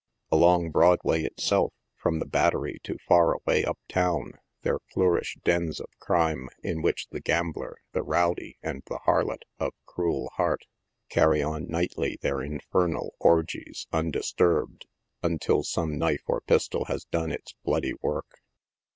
Along Broadway itself, from the Battery to far away up town, there flour ish dens of crime in which the gambler, the rowdy and the harlot of cruel heart, carry on, nightly, their infernal orgies undisturbed, until some knife or pistol has done its bloody work.